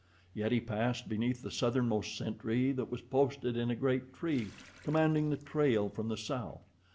Yet he passed beneath the southernmost sentry that was posted in a great tree commanding the trail from the south.